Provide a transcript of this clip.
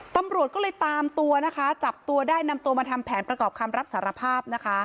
ตำรวจก็เลยตามตัวนะคะจับตัวได้นำตัวมาทำแผนประกอบคำรับสารภาพนะคะ